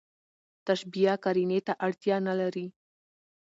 تشبېه قرينې ته اړتیا نه لري.